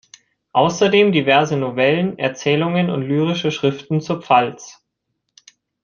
Außerdem diverse Novellen, Erzählungen und lyrische Schriften zur Pfalz.